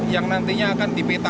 yang nantinya akan dipetakan